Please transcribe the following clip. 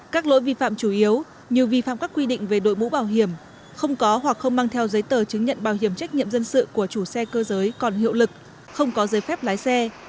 các lỗi vi phạm chủ yếu như vi phạm các quy định về đội mũ bảo hiểm không có hoặc không mang theo giấy tờ chứng nhận bảo hiểm trách nhiệm dân sự của chủ xe cơ giới còn hiệu lực không có giấy phép lái xe